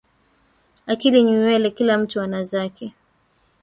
Akili ni nywele kila mtu ana zake